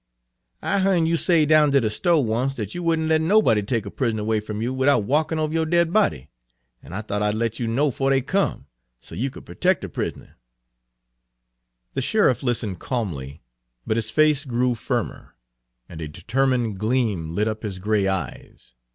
I hearn you say down ter de sto' once't dat you would n't let nobody take a pris'ner 'way Page 69 fum you widout walkin' over yo' dead body, en I thought I'd let you know 'fo' dey come, so yer could pertec' de pris'ner." The sheriff listened calmly, but his face grew firmer, and a determined gleam lit up his gray eyes.